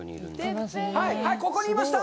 はい、ここにいました！